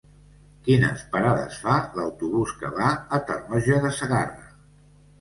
Quines parades fa l'autobús que va a Tarroja de Segarra?